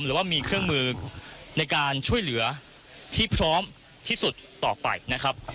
หรือว่ามีเครื่องมือในการช่วยเหลือที่พร้อมที่สุดต่อไปนะครับ